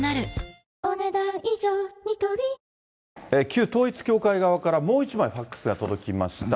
旧統一教会側からもう１枚ファックスが届きました。